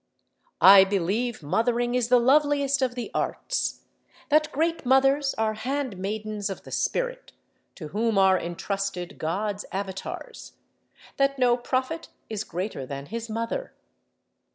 I believe Mothering is the loveliest of the Arts; that great mothers are handmaidens of the Spirit, to whom are intrusted God's avatars; that no prophet is greater than his mother.